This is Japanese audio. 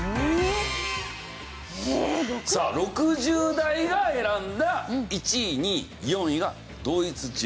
さあ６０代が選んだ１位２位４位が同一人物。